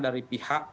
dari pihak memulai